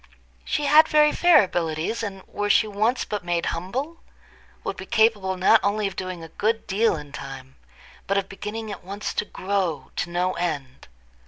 She had very fair abilities, and were she once but made humble, would be capable not only of doing a good deal in time, but of beginning at once to grow to no end.